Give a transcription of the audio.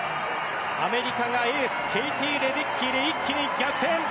アメリカがエースケイティ・レデッキーで一気に逆転。